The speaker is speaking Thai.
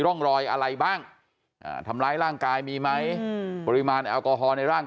ร่องรอยอะไรบ้างทำร้ายร่างกายมีไหมปริมาณแอลกอฮอลในร่าง